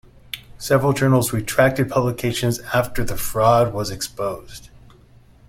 Several journals retracted publications after the fraud was exposed.